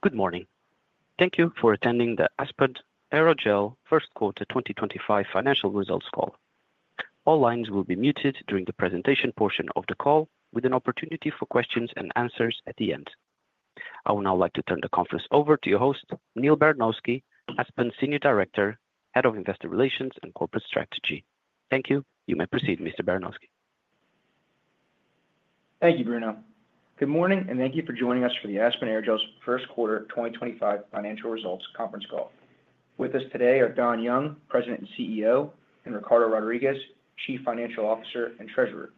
Good morning. Thank you for attending the Aspen Aerogels First Quarter 2025 Financial Results Call. All lines will be muted during the presentation portion of the call, with an opportunity for questions and answers at the end. I would now like to turn the conference over to your host, Neal Baranosky, Aspen's Senior Director, Head of Investor Relations and Corporate Strategy. Thank you. You may proceed, Mr. Baranosky. Thank you, Bruno. Good morning, and thank you for joining us for the Aspen Aerogels First Quarter 2025 Financial Results Conference Call. With us today are Don Young, President and CEO, and Ricardo Rodriguez, Chief Financial Officer and Treasurer.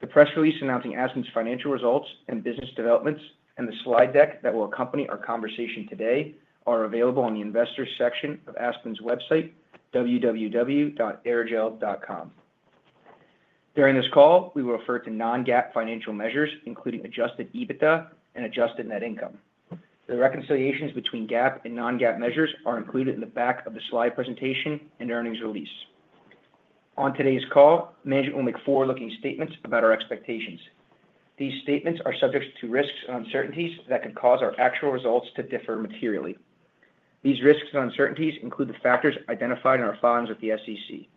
The press release announcing Aspen's financial results and business developments, and the slide deck that will accompany our conversation today, are available on the Investors section of Aspen's website, www.aerogel.com. During this call, we will refer to non-GAAP financial measures, including adjusted EBITDA and adjusted net income. The reconciliations between GAAP and non-GAAP measures are included in the back of the slide presentation and earnings release. On today's call, management will make forward-looking statements about our expectations. These statements are subject to risks and uncertainties that can cause our actual results to differ materially. These risks and uncertainties include the factors identified in our filings with the SEC.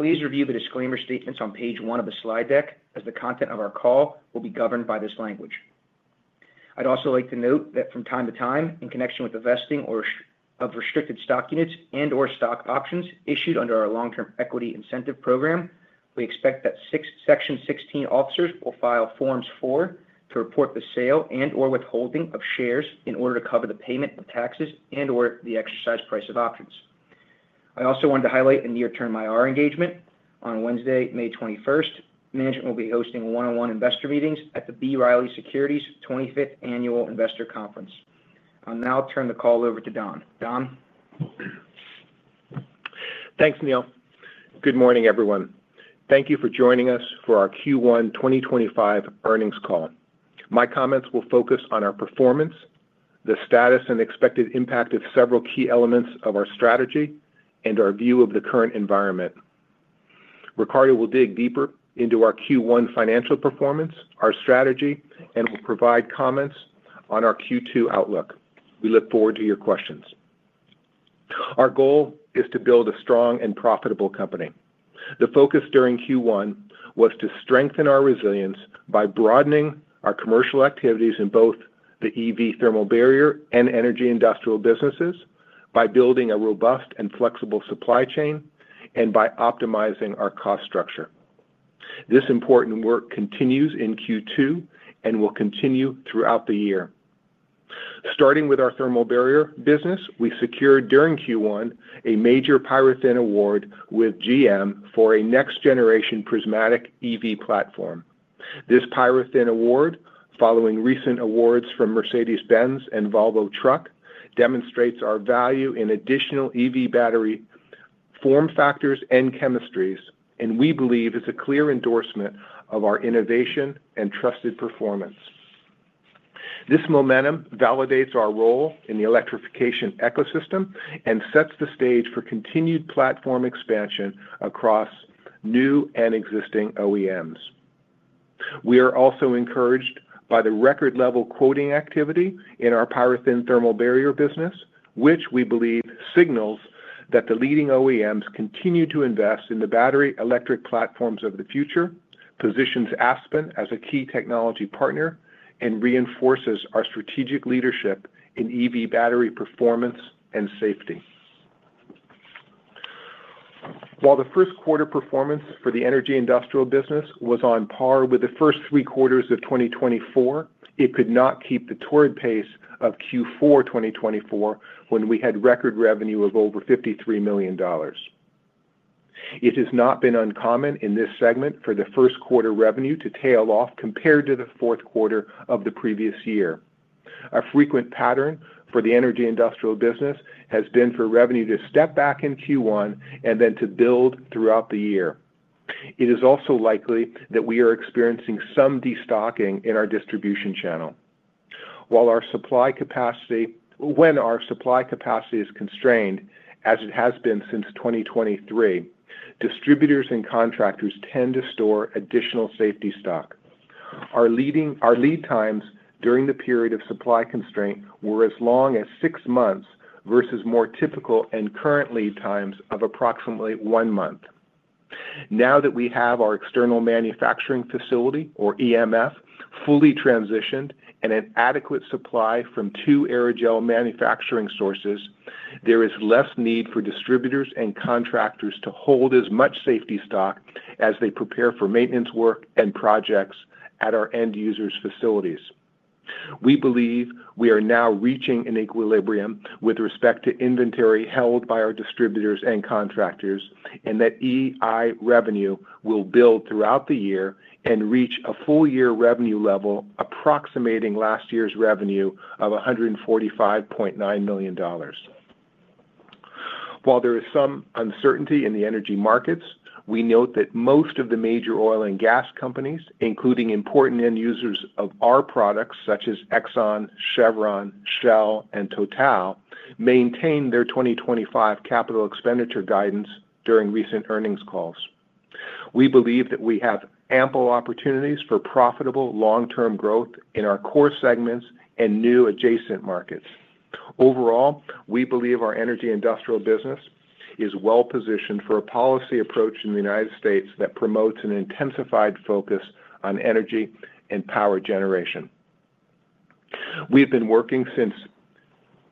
Please review the disclaimer statements on page one of the slide deck, as the content of our call will be governed by this language. I'd also like to note that from time to time, in connection with the vesting of restricted stock units and/or stock options issued under our long-term equity incentive program, we expect that Section 16 officers will file Forms 4 to report the sale and/or withholding of shares in order to cover the payment of taxes and/or the exercise price of options. I also wanted to highlight a near-term IR engagement. On Wednesday, May 21st, management will be hosting one-on-one investor meetings at the B. Riley Securities 25th Annual Investor Conference. I'll now turn the call over to Don. Don. Thanks, Neal. Good morning, everyone. Thank you for joining us for our Q1 2025 earnings call. My comments will focus on our performance, the status and expected impact of several key elements of our strategy, and our view of the current environment. Ricardo will dig deeper into our Q1 financial performance, our strategy, and will provide comments on our Q2 outlook. We look forward to your questions. Our goal is to build a strong and profitable company. The focus during Q1 was to strengthen our resilience by broadening our commercial activities in both the EV Thermal Barrier and Energy Industrial businesses, by building a robust and flexible supply chain, and by optimizing our cost structure. This important work continues in Q2 and will continue throughout the year. Starting with our Thermal Barrier business, we secured during Q1 a major PyroThin Award with GM for a next-generation prismatic EV platform. This PyroThin Award, following recent awards from Mercedes-Benz and Volvo Trucks, demonstrates our value in additional EV battery form factors and chemistries, and we believe is a clear endorsement of our innovation and trusted performance. This momentum validates our role in the electrification ecosystem and sets the stage for continued platform expansion across new and existing OEMs. We are also encouraged by the record-level quoting activity in our PyroThin Thermal Barrier business, which we believe signals that the leading OEMs continue to invest in the battery electric platforms of the future, positions Aspen as a key technology partner, and reinforces our strategic leadership in EV battery performance and safety. While the first quarter performance for the Energy Industrial business was on par with the first three quarters of 2024, it could not keep the torrid pace of Q4 2024 when we had record revenue of over $53 million. It has not been uncommon in this segment for the first quarter revenue to tail off compared to the fourth quarter of the previous year. A frequent pattern for the Energy Industrial business has been for revenue to step back in Q1 and then to build throughout the year. It is also likely that we are experiencing some destocking in our distribution channel. When our supply capacity is constrained, as it has been since 2023, distributors and contractors tend to store additional safety stock. Our lead times during the period of supply constraint were as long as six months versus more typical and current lead times of approximately one month. Now that we have our External Manufacturing Facility, or EMF, fully transitioned and an adequate supply from two Aerogel manufacturing sources, there is less need for distributors and contractors to hold as much safety stock as they prepare for maintenance work and projects at our end users' facilities. We believe we are now reaching an equilibrium with respect to inventory held by our distributors and contractors, and that EI revenue will build throughout the year and reach a full-year revenue level approximating last year's revenue of $145.9 million. While there is some uncertainty in the energy markets, we note that most of the major oil and gas companies, including important end users of our products such as Exxon, Chevron, Shell, and Total, maintain their 2025 capital expenditure guidance during recent earnings calls. We believe that we have ample opportunities for profitable long-term growth in our core segments and new adjacent markets. Overall, we believe our Energy Industrial business is well positioned for a policy approach in the United States that promotes an intensified focus on energy and power generation. We have been working since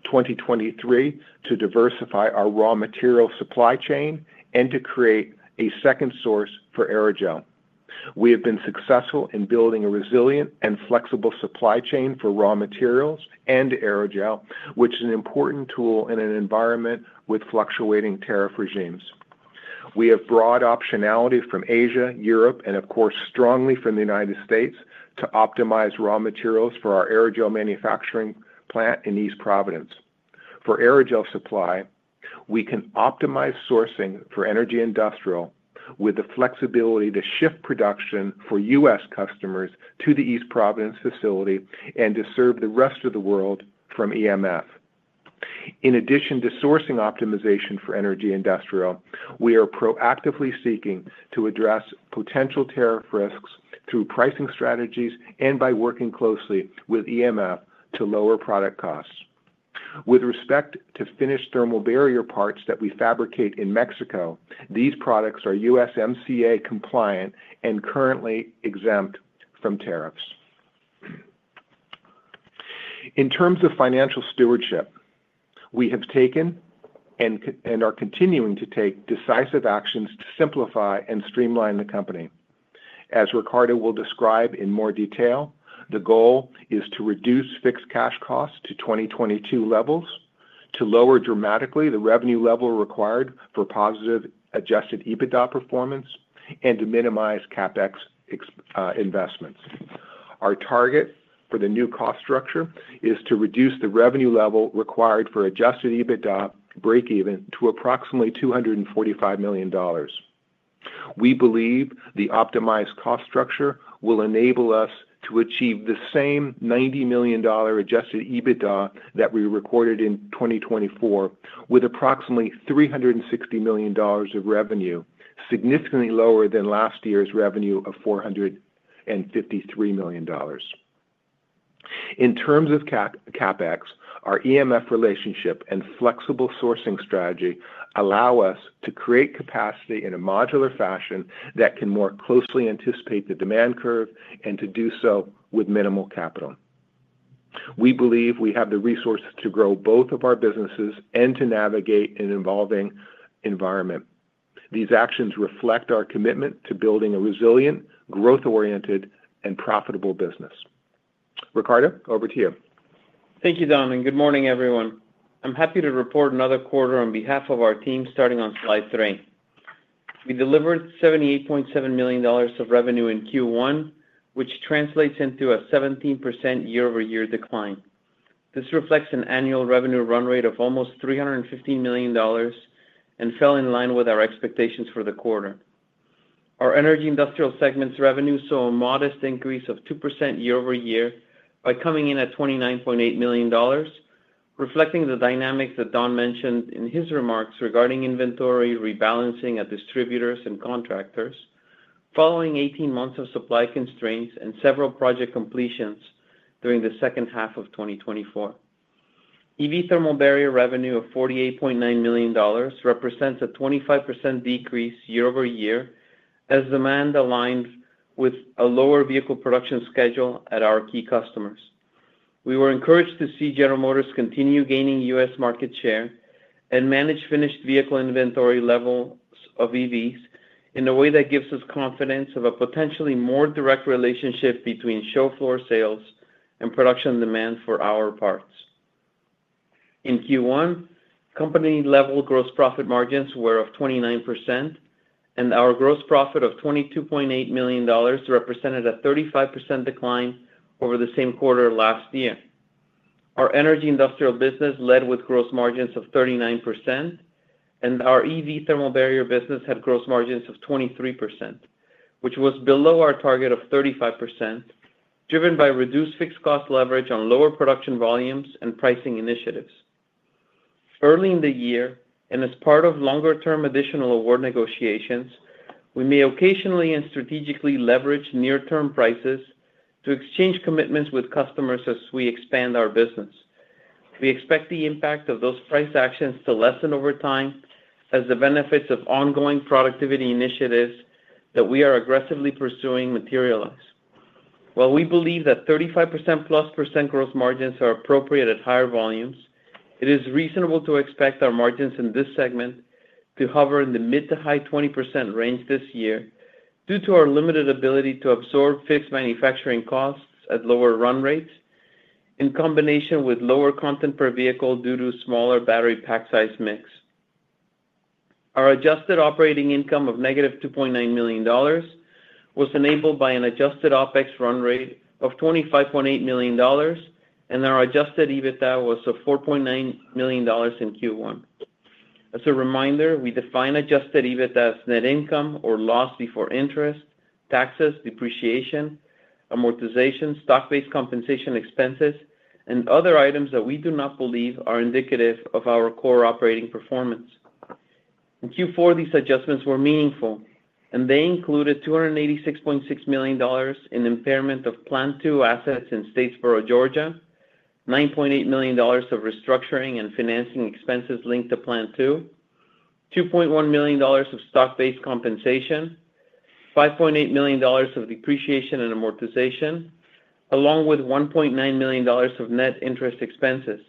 2023 to diversify our raw material supply chain and to create a second source for Aerogel. We have been successful in building a resilient and flexible supply chain for raw materials and Aerogel, which is an important tool in an environment with fluctuating tariff regimes. We have broad optionality from Asia, Europe, and of course strongly from the United States to optimize raw materials for our Aerogel manufacturing plant in East Providence. For Aerogel supply, we can optimize sourcing for Energy Industrial with the flexibility to shift production for U.S. customers to the East Providence facility and to serve the rest of the world from EMF. In addition to sourcing optimization for Energy Industrial, we are proactively seeking to address potential tariff risks through pricing strategies and by working closely with EMF to lower product costs. With respect to finished Thermal Barrier parts that we fabricate in Mexico, these products are USMCA compliant and currently exempt from tariffs. In terms of financial stewardship, we have taken and are continuing to take decisive actions to simplify and streamline the company. As Ricardo will describe in more detail, the goal is to reduce fixed cash costs to 2022 levels, to lower dramatically the revenue level required for positive adjusted EBITDA performance, and to minimize CapEx investments. Our target for the new cost structure is to reduce the revenue level required for adjusted EBITDA breakeven to approximately $245 million. We believe the optimized cost structure will enable us to achieve the same $90 million adjusted EBITDA that we recorded in 2024, with approximately $360 million of revenue, significantly lower than last year's revenue of $453 million. In terms of CapEx, our EMF relationship and flexible sourcing strategy allow us to create capacity in a modular fashion that can more closely anticipate the demand curve and to do so with minimal capital. We believe we have the resources to grow both of our businesses and to navigate an evolving environment. These actions reflect our commitment to building a resilient, growth-oriented, and profitable business. Ricardo, over to you. Thank you, Don. Good morning, everyone. I'm happy to report another quarter on behalf of our team, starting on slide three. We delivered $78.7 million of revenue in Q1, which translates into a 17% year-over-year decline. This reflects an annual revenue run rate of almost $315 million and fell in line with our expectations for the quarter. Our Energy Industrial segment's revenue saw a modest increase of 2% year-over-year by coming in at $29.8 million, reflecting the dynamics that Don mentioned in his remarks regarding inventory rebalancing at distributors and contractors, following 18 months of supply constraints and several project completions during the second half of 2024. EV Thermal Barrier revenue of $48.9 million represents a 25% decrease year-over-year as demand aligns with a lower vehicle production schedule at our key customers. We were encouraged to see General Motors continue gaining U.S. market share and manage finished vehicle inventory levels of EVs in a way that gives us confidence of a potentially more direct relationship between show floor sales and production demand for our parts. In Q1, company-level gross profit margins were 29%, and our gross profit of $22.8 million represented a 35% decline over the same quarter last year. Our Energy Industrial business led with gross margins of 39%, and our EV Thermal Barrier business had gross margins of 23%, which was below our target of 35%, driven by reduced fixed cost leverage on lower production volumes and pricing initiatives. Early in the year, and as part of longer-term additional award negotiations, we may occasionally and strategically leverage near-term prices to exchange commitments with customers as we expand our business. We expect the impact of those price actions to lessen over time as the benefits of ongoing productivity initiatives that we are aggressively pursuing materialize. While we believe that 35%+ gross margins are appropriate at higher volumes, it is reasonable to expect our margins in this segment to hover in the mid to high 20% range this year due to our limited ability to absorb fixed manufacturing costs at lower run rates in combination with lower content per vehicle due to smaller battery pack size mix. Our adjusted operating income of -$2.9 million was enabled by an adjusted OpEx run rate of $25.8 million, and our adjusted EBITDA was $4.9 million in Q1. As a reminder, we define adjusted EBITDA as net income or loss before interest, taxes, depreciation, amortization, stock-based compensation expenses, and other items that we do not believe are indicative of our core operating performance. In Q4, these adjustments were meaningful, and they included $286.6 million in impairment of Plant II assets in Statesboro, Georgia, $9.8 million of restructuring and financing expenses linked to Plant II, $2.1 million of stock-based compensation, $5.8 million of depreciation and amortization, along with $1.9 million of net interest expenses.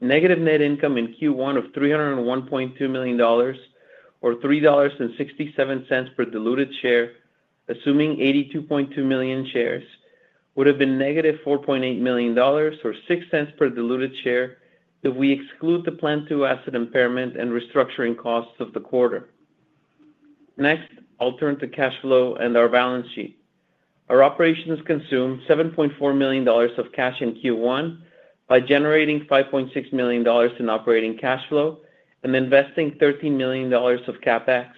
Negative net income in Q1 of $301.2 million, or $3.67 per diluted share, assuming 82.2 million shares, would have been negative $4.8 million, or $0.06 per diluted share if we exclude the Plant II asset impairment and restructuring costs of the quarter. Next, I'll turn to cash flow and our balance sheet. Our operations consumed $7.4 million of cash in Q1 by generating $5.6 million in operating cash flow and investing $13 million of CapEx.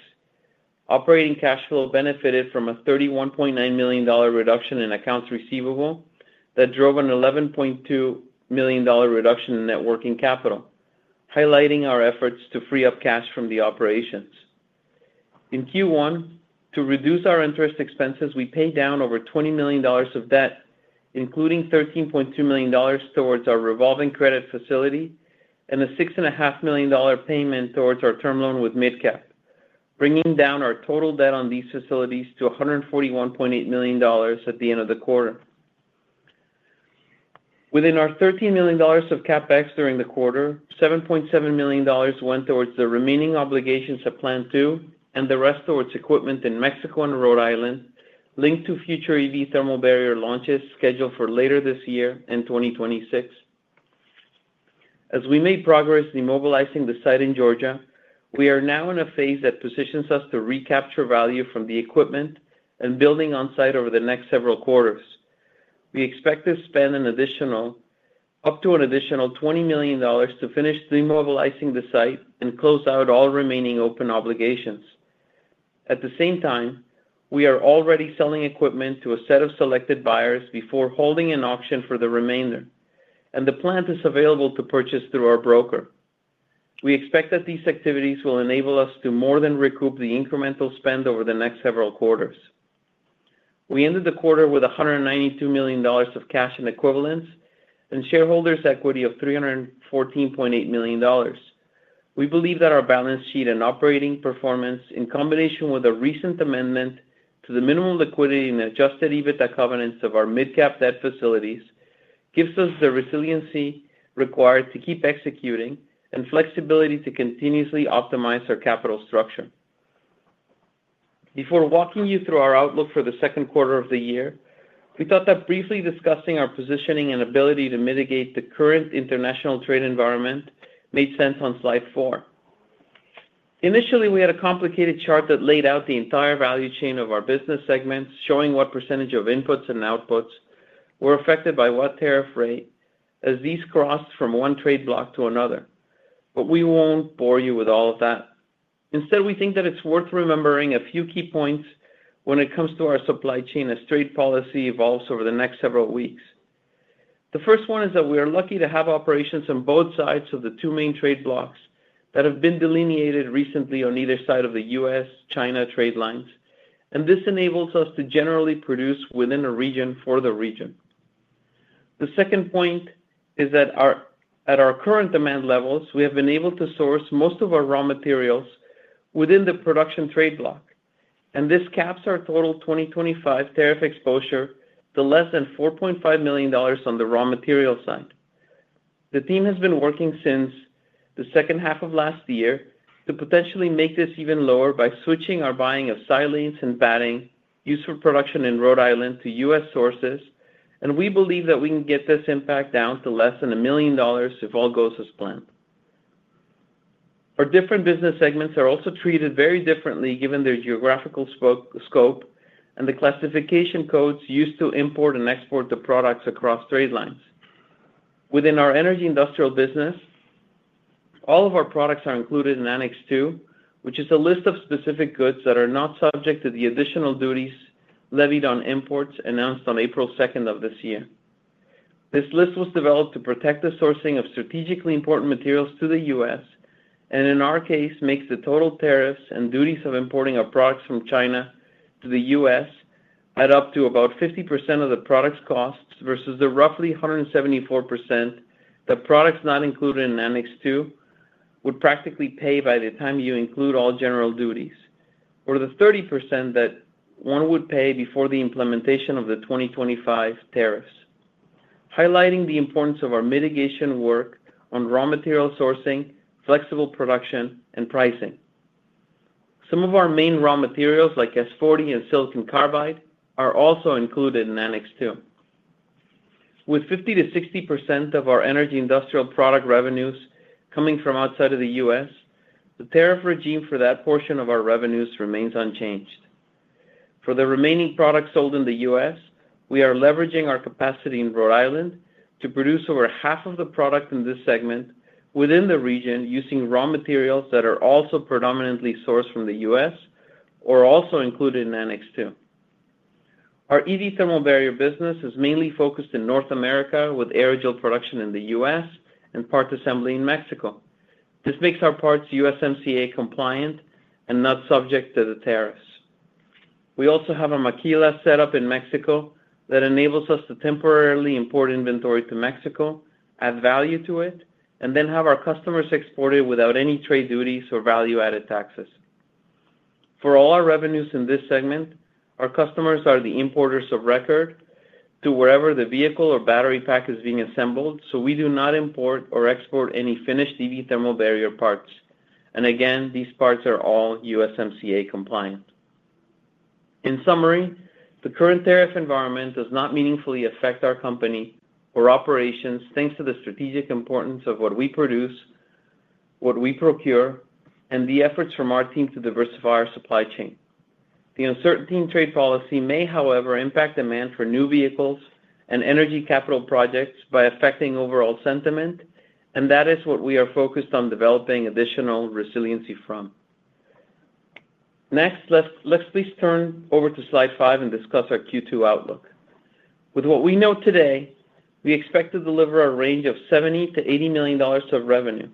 Operating cash flow benefited from a $31.9 million reduction in accounts receivable that drove an $11.2 million reduction in net working capital, highlighting our efforts to free up cash from the operations. In Q1, to reduce our interest expenses, we paid down over $20 million of debt, including $13.2 million towards our revolving credit facility and a $6.5 million payment towards our term loan with MidCap, bringing down our total debt on these facilities to $141.8 million at the end of the quarter. Within our $13 million of CapEx during the quarter, $7.7 million went towards the remaining obligations of Plant II and the rest towards equipment in Mexico and Rhode Island, linked to future EV Thermal Barrier launches scheduled for later this year and 2026. As we made progress demobilizing the site in Georgia, we are now in a phase that positions us to recapture value from the equipment and building on site over the next several quarters. We expect to spend up to an additional $20 million to finish demobilizing the site and close out all remaining open obligations. At the same time, we are already selling equipment to a set of selected buyers before holding an auction for the remainder, and the plant is available to purchase through our broker. We expect that these activities will enable us to more than recoup the incremental spend over the next several quarters. We ended the quarter with $192 million of cash and equivalents and shareholders' equity of $314.8 million. We believe that our balance sheet and operating performance, in combination with a recent amendment to the minimum liquidity and adjusted EBITDA covenants of our MidCap debt facilities, gives us the resiliency required to keep executing and flexibility to continuously optimize our capital structure. Before walking you through our outlook for the second quarter of the year, we thought that briefly discussing our positioning and ability to mitigate the current international trade environment made sense on slide four. Initially, we had a complicated chart that laid out the entire value chain of our business segments, showing what percentage of inputs and outputs were affected by what tariff rate as these crossed from one trade block to another. We will not bore you with all of that. Instead, we think that it's worth remembering a few key points when it comes to our supply chain as trade policy evolves over the next several weeks. The first one is that we are lucky to have operations on both sides of the two main trade blocks that have been delineated recently on either side of the U.S.-China trade lines, and this enables us to generally produce within a region for the region. The second point is that at our current demand levels, we have been able to source most of our raw materials within the production trade block, and this caps our total 2025 tariff exposure to less than $4.5 million on the raw material side. The team has been working since the second half of last year to potentially make this even lower by switching our buying of silings and batting used for production in Rhode Island to U.S. sources, and we believe that we can get this impact down to less than $1 million if all goes as planned. Our different business segments are also treated very differently given their geographical scope and the classification codes used to import and export the products across trade lines. Within our Energy Industrial business, all of our products are included in Annex 2, which is a list of specific goods that are not subject to the additional duties levied on imports announced on April 2nd of this year. This list was developed to protect the sourcing of strategically important materials to the U.S. and, in our case, makes the total tariffs and duties of importing our products from China to the U.S. add up to about 50% of the product's costs versus the roughly 174% that products not included in Annex II would practically pay by the time you include all general duties, or the 30% that one would pay before the implementation of the 2025 tariffs, highlighting the importance of our mitigation work on raw material sourcing, flexible production, and pricing. Some of our main raw materials, like S40 and silicon carbide, are also included in Annex II. With 50%-60% of our Energy Industrial product revenues coming from outside of the U.S., the tariff regime for that portion of our revenues remains unchanged. For the remaining products sold in the U.S., we are leveraging our capacity in Rhode Island to produce over half of the product in this segment within the region using raw materials that are also predominantly sourced from the U.S. or also included in Annex II. Our EV Thermal Barrier business is mainly focused in North America, with Aerogel production in the U.S. and parts assembly in Mexico. This makes our parts USMCA compliant and not subject to the tariffs. We also have a Maquila setup in Mexico that enables us to temporarily import inventory to Mexico, add value to it, and then have our customers export it without any trade duties or value-added taxes. For all our revenues in this segment, our customers are the importers of record to wherever the vehicle or battery pack is being assembled, so we do not import or export any finished EV Thermal Barrier parts. These parts are all USMCA compliant. In summary, the current tariff environment does not meaningfully affect our company or operations thanks to the strategic importance of what we produce, what we procure, and the efforts from our team to diversify our supply chain. The uncertainty in trade policy may, however, impact demand for new vehicles and energy capital projects by affecting overall sentiment, and that is what we are focused on developing additional resiliency from. Next, let's please turn over to slide five and discuss our Q2 outlook. With what we know today, we expect to deliver a range of $70-$80 million of revenue.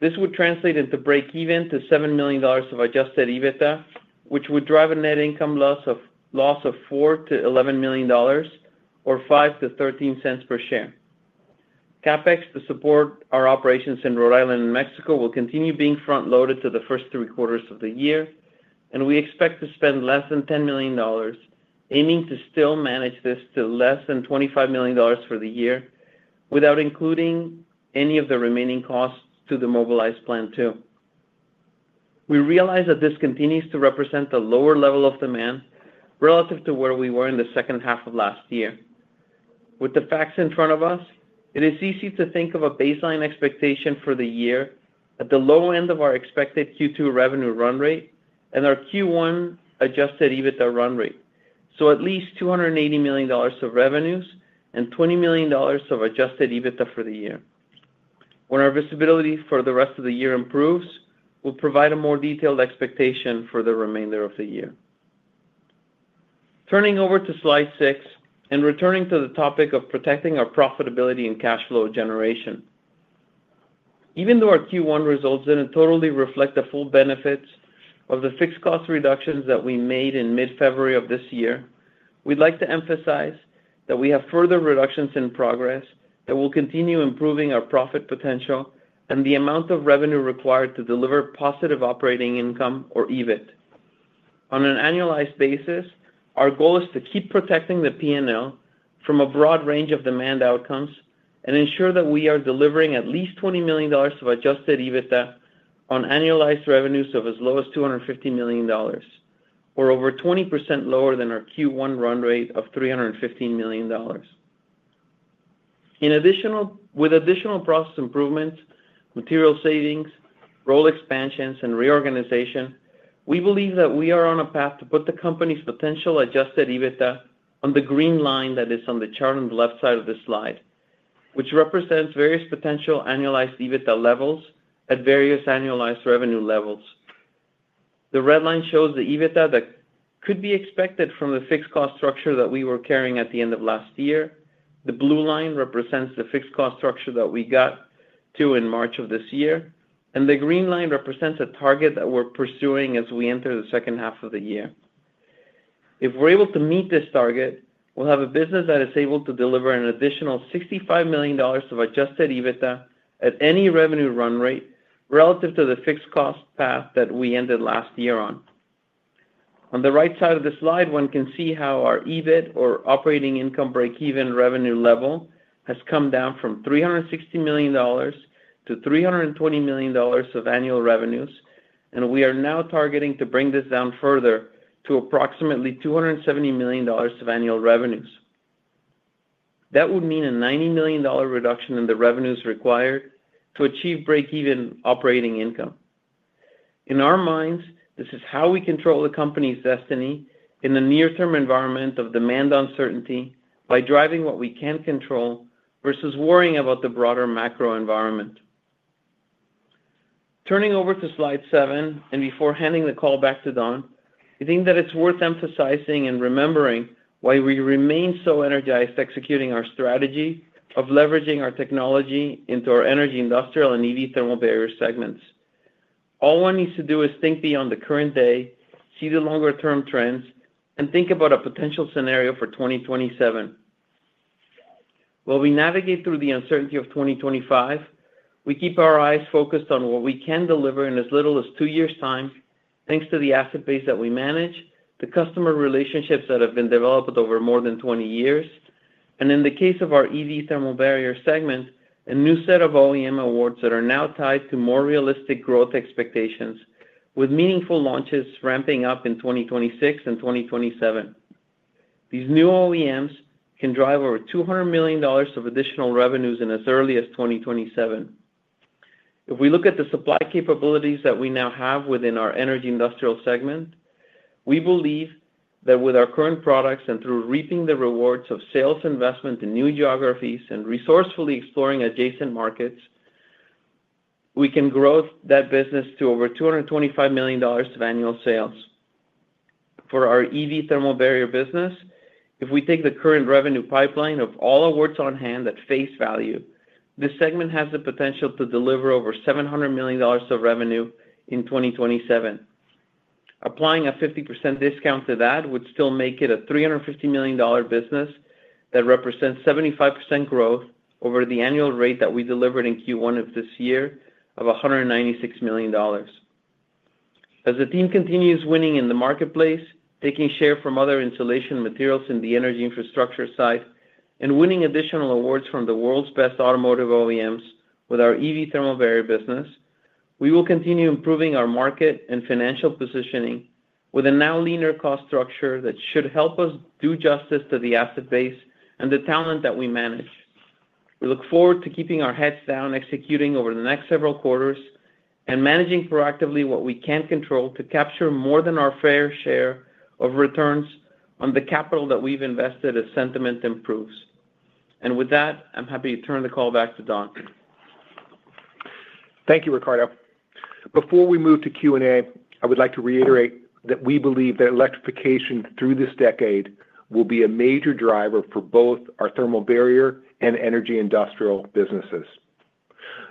This would translate into break-even to $7 million of adjusted EBITDA, which would drive a net income loss of $4-$11 million, or $0.05-$0.13 per share. CapEx to support our operations in Rhode Island and Mexico will continue being front-loaded to the first three quarters of the year, and we expect to spend less than $10 million, aiming to still manage this to less than $25 million for the year without including any of the remaining costs to demobilize Plant II. We realize that this continues to represent a lower level of demand relative to where we were in the second half of last year. With the facts in front of us, it is easy to think of a baseline expectation for the year at the low end of our expected Q2 revenue run rate and our Q1 adjusted EBITDA run rate, so at least $280 million of revenues and $20 million of adjusted EBITDA for the year. When our visibility for the rest of the year improves, we'll provide a more detailed expectation for the remainder of the year. Turning over to slide six and returning to the topic of protecting our profitability and cash flow generation. Even though our Q1 results didn't totally reflect the full benefits of the fixed cost reductions that we made in mid-February of this year, we'd like to emphasize that we have further reductions in progress that will continue improving our profit potential and the amount of revenue required to deliver positive operating income, or EBIT. On an annualized basis, our goal is to keep protecting the P&L from a broad range of demand outcomes and ensure that we are delivering at least $20 million of adjusted EBITDA on annualized revenues of as low as $250 million, or over 20% lower than our Q1 run rate of $315 million. With additional process improvements, material savings, role expansions, and reorganization, we believe that we are on a path to put the company's potential adjusted EBITDA on the green line that is on the chart on the left side of the slide, which represents various potential annualized EBITDA levels at various annualized revenue levels. The red line shows the EBITDA that could be expected from the fixed cost structure that we were carrying at the end of last year. The blue line represents the fixed cost structure that we got to in March of this year, and the green line represents a target that we're pursuing as we enter the second half of the year. If we're able to meet this target, we'll have a business that is able to deliver an additional $65 million of adjusted EBITDA at any revenue run rate relative to the fixed cost path that we ended last year on. On the right side of the slide, one can see how our EBIT, or operating income break-even revenue level, has come down from $360 million to $320 million of annual revenues, and we are now targeting to bring this down further to approximately $270 million of annual revenues. That would mean a $90 million reduction in the revenues required to achieve break-even operating income. In our minds, this is how we control the company's destiny in the near-term environment of demand uncertainty by driving what we can control versus worrying about the broader macro environment. Turning over to slide seven, and before handing the call back to Don, I think that it's worth emphasizing and remembering why we remain so energized executing our strategy of leveraging our technology into our Energy Industrial and EV Thermal Barrier segments. All one needs to do is think beyond the current day, see the longer-term trends, and think about a potential scenario for 2027. While we navigate through the uncertainty of 2025, we keep our eyes focused on what we can deliver in as little as two years' time, thanks to the asset base that we manage, the customer relationships that have been developed over more than 20 years, and in the case of our EV Thermal Barrier segment, a new set of OEM awards that are now tied to more realistic growth expectations, with meaningful launches ramping up in 2026 and 2027. These new OEMs can drive over $200 million of additional revenues in as early as 2027. If we look at the supply capabilities that we now have within our Energy Industrial segment, we believe that with our current products and through reaping the rewards of sales investment in new geographies and resourcefully exploring adjacent markets, we can grow that business to over $225 million of annual sales. For our EV Thermal Barrier business, if we take the current revenue pipeline of all awards on hand at face value, this segment has the potential to deliver over $700 million of revenue in 2027. Applying a 50% discount to that would still make it a $350 million business that represents 75% growth over the annual rate that we delivered in Q1 of this year of $196 million. As the team continues winning in the marketplace, taking share from other insulation materials in the energy infrastructure side, and winning additional awards from the world's best automotive OEMs with our EV Thermal Barrier business, we will continue improving our market and financial positioning with a now leaner cost structure that should help us do justice to the asset base and the talent that we manage. We look forward to keeping our heads down executing over the next several quarters and managing proactively what we can control to capture more than our fair share of returns on the capital that we've invested as sentiment improves. I am happy to turn the call back to Don. Thank you, Ricardo. Before we move to Q&A, I would like to reiterate that we believe that electrification through this decade will be a major driver for both our Thermal Barrier and Energy Industrial businesses.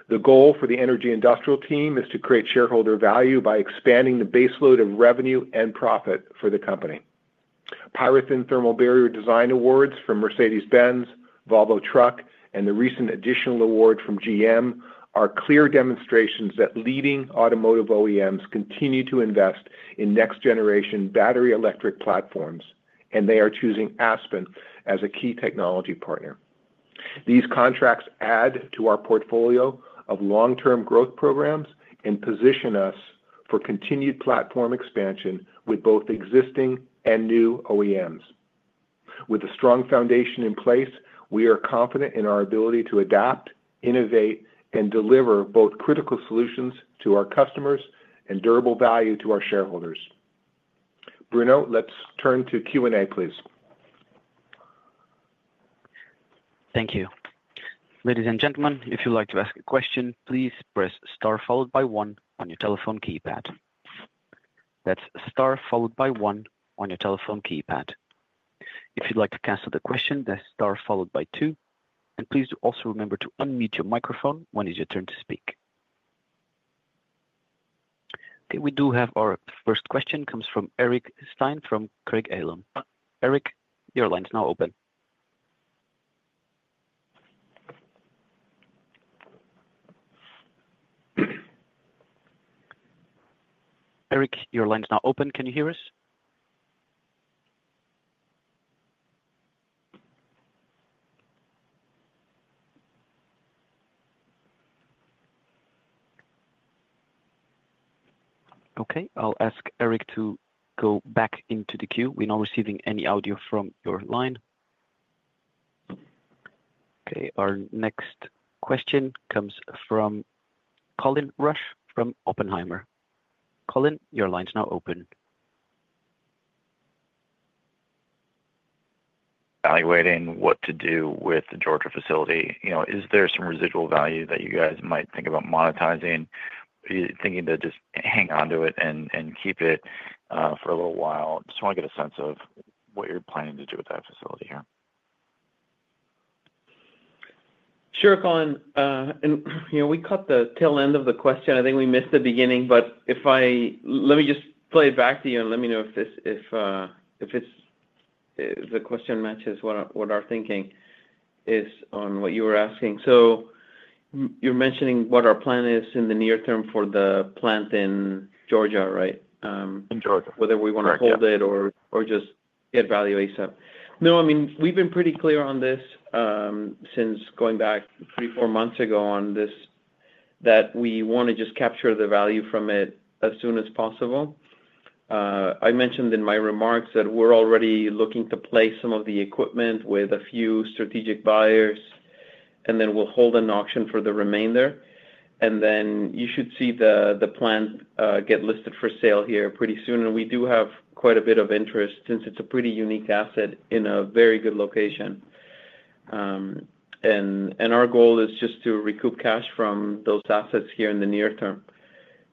The goal for the Energy Industrial team is to create shareholder value by expanding the baseload of revenue and profit for the company. PyroThin Thermal Barrier Design Awards from Mercedes-Benz, Volvo Trucks, and the recent additional award from General Motors are clear demonstrations that leading automotive OEMs continue to invest in next-generation battery electric platforms, and they are choosing Aspen as a key technology partner. These contracts add to our portfolio of long-term growth programs and position us for continued platform expansion with both existing and new OEMs. With a strong foundation in place, we are confident in our ability to adapt, innovate, and deliver both critical solutions to our customers and durable value to our shareholders. Bruno, let's turn to Q&A, please. Thank you. Ladies and gentlemen, if you'd like to ask a question, please press star followed by one on your telephone keypad. That's star followed by one on your telephone keypad. If you'd like to cancel the question, that's star followed by two. Please also remember to unmute your microphone when it's your turn to speak. Okay, we do have our first question comes from Eric Stine from Craig-Hallum. Eric, your line's now open. Eric, your line's now open. Can you hear us? Okay, I'll ask Eric to go back into the queue. We're not receiving any audio from your line. Okay, our next question comes from Colin Rusch from Oppenheimer. Colin, your line's now open. Evaluating what to do with the Georgia facility, is there some residual value that you guys might think about monetizing? Are you thinking to just hang on to it and keep it for a little while? Just want to get a sense of what you're planning to do with that facility here. Sure, Colin. We cut the tail end of the question. I think we missed the beginning, but let me just play it back to you and let me know if the question matches what our thinking is on what you were asking. You're mentioning what our plan is in the near term for the plant in Georgia, right? In Georgia. Whether we want to hold it or just get value ASAP. No, I mean, we've been pretty clear on this since going back three, four months ago on this, that we want to just capture the value from it as soon as possible. I mentioned in my remarks that we're already looking to place some of the equipment with a few strategic buyers, and then we'll hold an auction for the remainder. You should see the plant get listed for sale here pretty soon. We do have quite a bit of interest since it's a pretty unique asset in a very good location. Our goal is just to recoup cash from those assets here in the near term.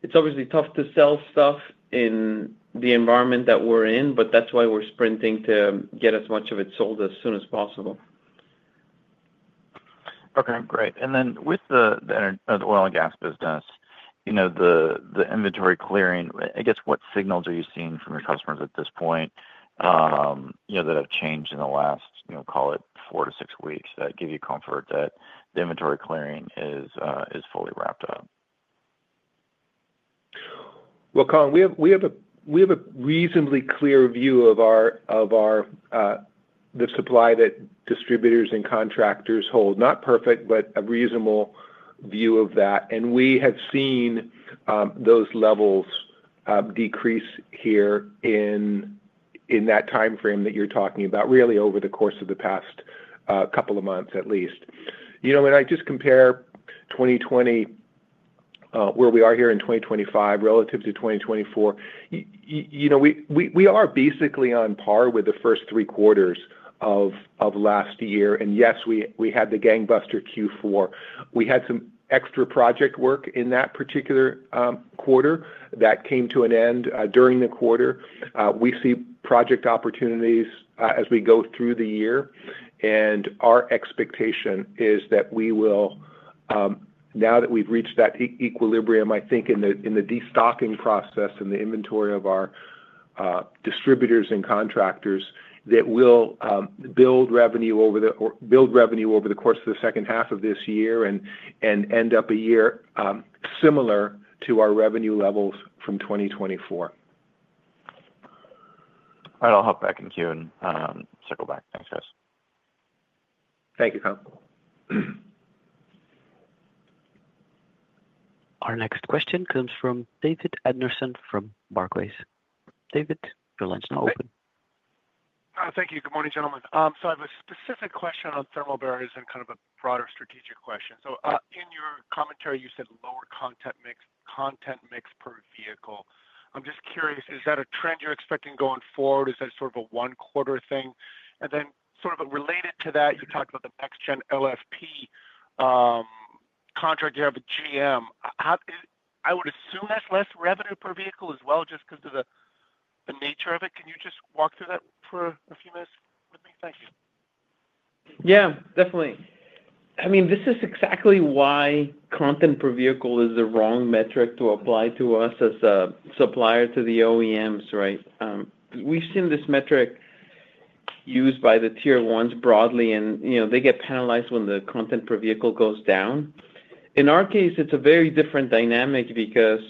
It's obviously tough to sell stuff in the environment that we're in, but that's why we're sprinting to get as much of it sold as soon as possible. Okay, great. Then with the oil and gas business, the inventory clearing, I guess, what signals are you seeing from your customers at this point that have changed in the last, call it, four to six weeks that give you comfort that the inventory clearing is fully wrapped up? Colin, we have a reasonably clear view of the supply that distributors and contractors hold. Not perfect, but a reasonable view of that. We have seen those levels decrease here in that timeframe that you are talking about, really over the course of the past couple of months, at least. When I just compare 2020, where we are here in 2025 relative to 2024, we are basically on par with the first three quarters of last year. Yes, we had the gangbuster Q4. We had some extra project work in that particular quarter that came to an end during the quarter. We see project opportunities as we go through the year. Our expectation is that we will, now that we have reached that equilibrium, I think in the destocking process and the inventory of our distributors and contractors, build revenue over the course of the second half of this year and end up a year similar to our revenue levels from 2024. All right, I will hop back in queue and circle back. Thanks, guys. Thank you, Colin. Our next question comes from David Anderson from Barclays. David, your line is now open. Thank you. Good morning, gentlemen. I have a specific question on Thermal Barriers and kind of a broader strategic question. In your commentary, you said lower content mix per vehicle. I'm just curious, is that a trend you're expecting going forward? Is that sort of a one-quarter thing? And then sort of related to that, you talked about the next-gen LFP contract you have with GM. I would assume that's less revenue per vehicle as well, just because of the nature of it. Can you just walk through that for a few minutes with me? Thank you. Yeah, definitely. I mean, this is exactly why content per vehicle is the wrong metric to apply to us as a supplier to the OEMs, right? We've seen this metric used by the Tier‑1s broadly, and they get penalized when the content per vehicle goes down. In our case, it's a very different dynamic because,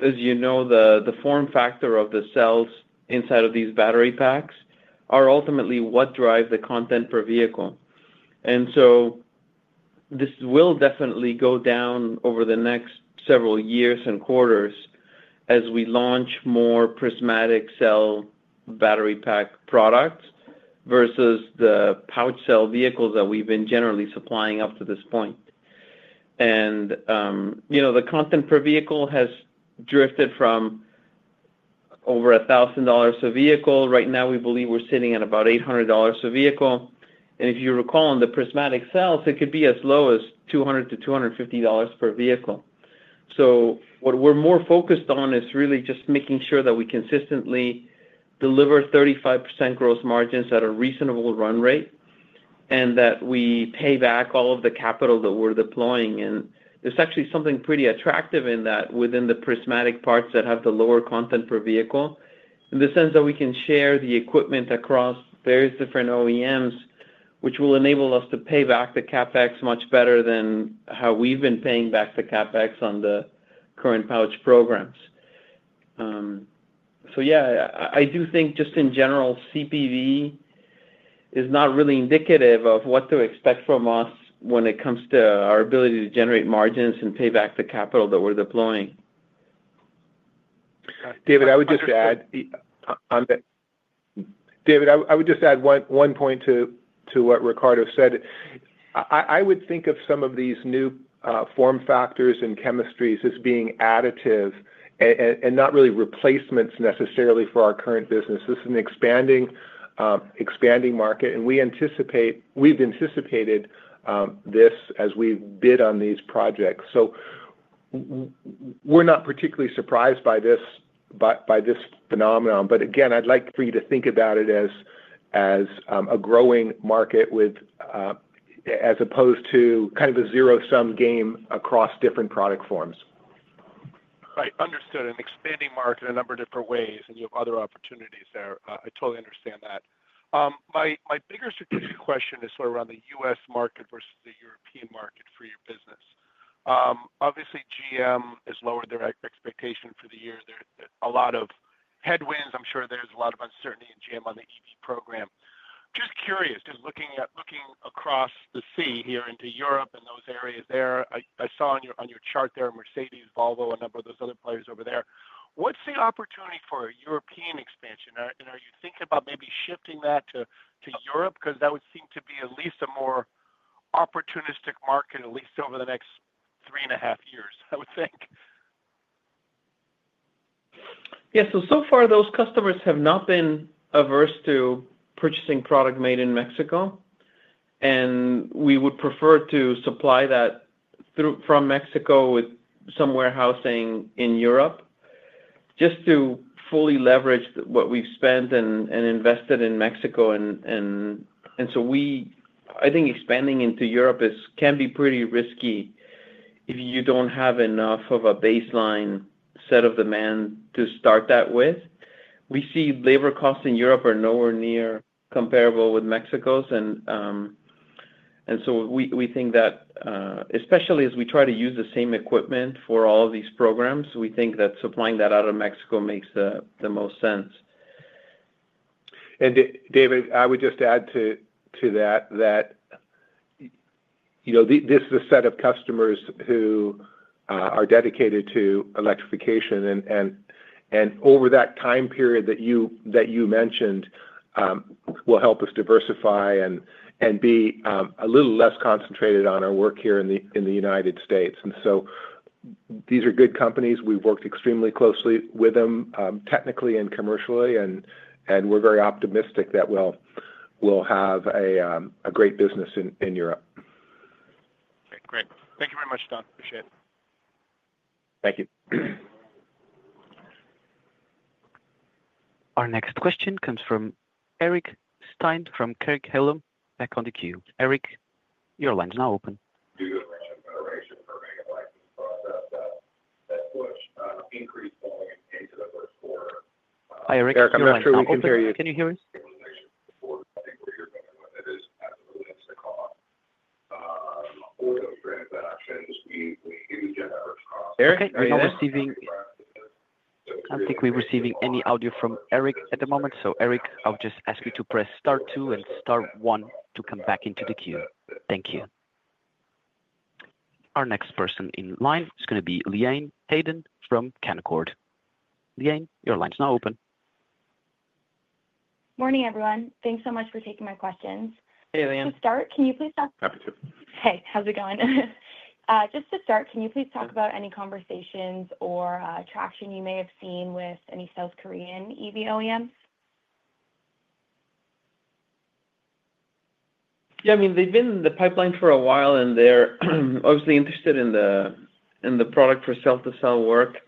as you know, the form factor of the cells inside of these battery packs are ultimately what drive the content per vehicle. This will definitely go down over the next several years and quarters as we launch more prismatic cell battery pack products versus the pouch cell vehicles that we've been generally supplying up to this point. The content per vehicle has drifted from over $1,000 a vehicle. Right now, we believe we're sitting at about $800 a vehicle. If you recall, in the prismatic cells, it could be as low as $200-$250 per vehicle. What we're more focused on is really just making sure that we consistently deliver 35% gross margins at a reasonable run rate and that we pay back all of the capital that we're deploying. There is actually something pretty attractive in that within the prismatic parts that have the lower content per vehicle in the sense that we can share the equipment across various different OEMs, which will enable us to pay back the CapEx much better than how we have been paying back the CapEx on the current pouch programs. Yeah, I do think just in general, CPV is not really indicative of what to expect from us when it comes to our ability to generate margins and pay back the capital that we are deploying. David, I would just add one point to what Ricardo said. I would think of some of these new form factors and chemistries as being additive and not really replacements necessarily for our current business. This is an expanding market, and we have anticipated this as we bid on these projects. We're not particularly surprised by this phenomenon. Again, I'd like for you to think about it as a growing market as opposed to kind of a zero-sum game across different product forms. Right. Understood. An expanding market in a number of different ways, and you have other opportunities there. I totally understand that. My bigger strategic question is sort of around the U.S. market versus the European market for your business. Obviously, GM has lowered their expectation for the year. There's a lot of headwinds. I'm sure there's a lot of uncertainty in GM on the EV program. Just curious, just looking across the sea here into Europe and those areas there, I saw on your chart there Mercedes, Volvo, a number of those other players over there. What's the opportunity for a European expansion? Are you thinking about maybe shifting that to Europe? Because that would seem to be at least a more opportunistic market, at least over the next three and a half years, I would think. Yeah, so far, those customers have not been averse to purchasing product made in Mexico. We would prefer to supply that from Mexico with some warehousing in Europe just to fully leverage what we've spent and invested in Mexico. I think expanding into Europe can be pretty risky if you do not have enough of a baseline set of demand to start that with. We see labor costs in Europe are nowhere near comparable with Mexico's. We think that, especially as we try to use the same equipment for all of these programs, supplying that out of Mexico makes the most sense. David, I would just add to that that this is a set of customers who are dedicated to electrification. Over that time period that you mentioned, it will help us diversify and be a little less concentrated on our work here in the United States. These are good companies. We've worked extremely closely with them technically and commercially, and we're very optimistic that we'll have a great business in Europe. Okay, great. Thank you very much, Don. Appreciate it. Thank you. Our next question comes from Eric Stine from Craig-Hallum. Back on the queue. Eric, your line's now open. Do the range of federation for make a license process that push increased going into the first quarter. Hi, Eric. I'm not sure we can hear you. Can you hear us? I think we're going to win it. It is absolutely instant call-on. For those transactions, we do generate costs. Eric, are you there? I do not think we are receiving any audio from Eric at the moment. Eric, I will just ask you to press star two and star one to come back into the queue. Thank you. Our next person in line is going to be Leanne Hayden from Canaccord. Leanne, your line is now open. Morning, everyone. Thanks so much for taking my questions. Hey, Leanne. To start, can you please talk? Happy to. Hey, how is it going? Just to start, can you please talk about any conversations or traction you may have seen with any South Korean EV OEMs? Yeah, I mean, they have been in the pipeline for a while, and they are obviously interested in the product for cell-to-cell work.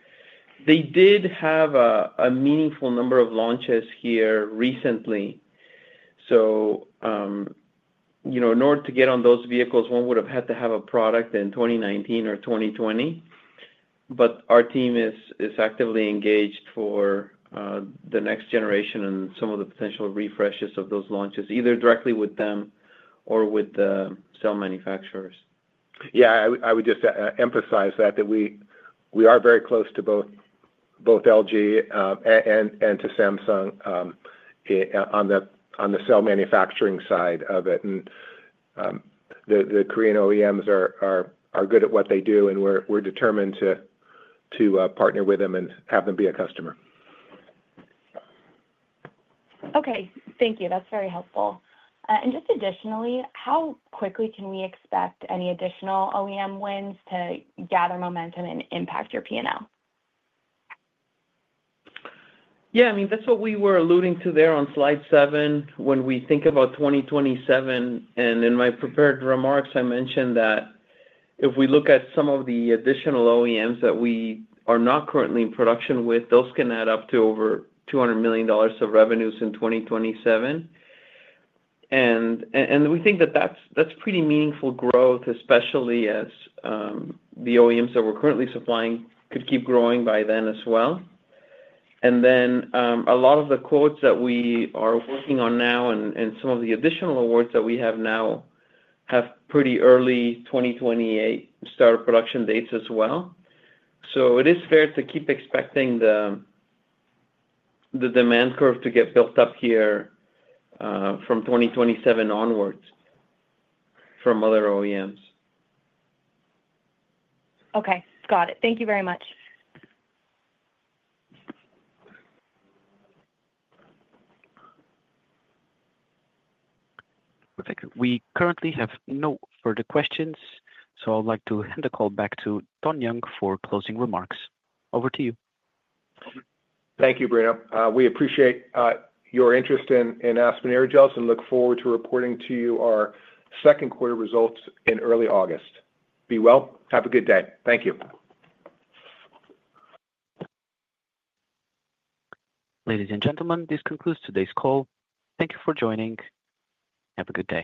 They did have a meaningful number of launches here recently. In order to get on those vehicles, one would have had to have a product in 2019 or 2020. Our team is actively engaged for the next generation and some of the potential refreshes of those launches, either directly with them or with the cell manufacturers. I would just emphasize that we are very close to both LG and to Samsung on the cell manufacturing side of it. The Korean OEMs are good at what they do, and we are determined to partner with them and have them be a customer. Thank you. That is very helpful. Additionally, how quickly can we expect any additional OEM wins to gather momentum and impact your P&L? That is what we were alluding to there on slide seven when we think about 2027. In my prepared remarks, I mentioned that if we look at some of the additional OEMs that we are not currently in production with, those can add up to over $200 million of revenues in 2027. We think that that is pretty meaningful growth, especially as the OEMs that we are currently supplying could keep growing by then as well. A lot of the quotes that we are working on now and some of the additional awards that we have now have pretty early 2028 start of production dates as well. It is fair to keep expecting the demand curve to get built up here from 2027 onwards from other OEMs. Okay. Got it. Thank you very much. Perfect. We currently have no further questions. I would like to hand the call back to Don Young for closing remarks. Over to you. Thank you, Bruno. We appreciate your interest in Aspen Aerogels and look forward to reporting to you our second quarter results in early August. Be well. Have a good day. Thank you. Ladies and gentlemen, this concludes today's call. Thank you for joining. Have a good day.